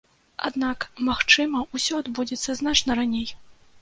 Аднак, магчыма, усё адбудзецца значна раней.